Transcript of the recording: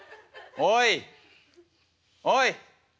おいおい！